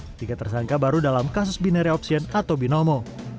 ketiga tersangka baru dalam kasus binari opsien atau binomo